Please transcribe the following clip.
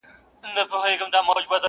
هېري له ابا څه دي لنډۍ د ملالیو!.